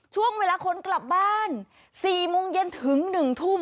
ช่วงเวลาคนกลับบ้าน๔โมงเย็นถึง๑ทุ่ม